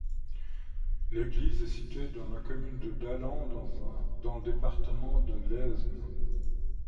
L'église est située sur la commune de Dallon, dans le département de l'Aisne.